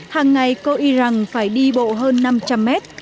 hàng ngày cô y rằng phải đi bộ hơn năm trăm linh mét